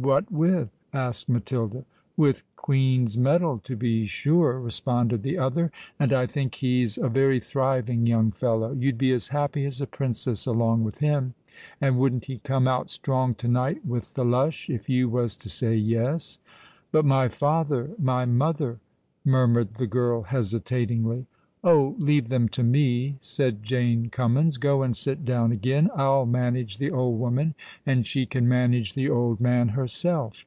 what with?" asked Matilda. "With Queen's metal, to be sure," responded the other; "and I think he's a very thriving young fellow. You'd be as happy as a princess along with him;—and wouldn't he come out strong to night with the lush, if you was to say yes." "But my father—my mother——" murmured the girl hesitatingly. "Oh! leave them to me!" said Jane Cummins. "Go and sit down again—I'll manage the old woman—and she can manage the old man herself."